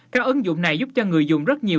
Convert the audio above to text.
các ứng dụng này giúp cho người dùng rất nhiều